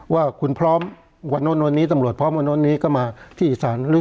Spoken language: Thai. ว่าคุณพร้อมวันนี้ตำรวจพร้อมวันนี้ก็มาที่อีสาน